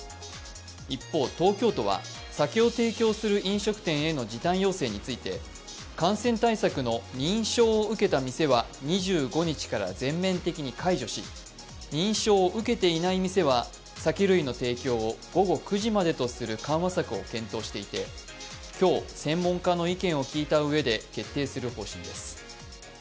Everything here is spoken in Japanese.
一方、東京都は酒を提供する飲食店への時短要請について感染対策の認証を受けたみせは２５日から全面的に解除し認証を受けていない店は酒類の提供を午後９時までとする緩和策を検討していて、今日、専門家の意見を聞いた上で決定する方針です。